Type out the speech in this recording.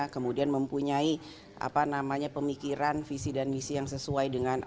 kemudian mempunyai apa namanya pemikiran visi dan misi yang sesuai dengan capresnya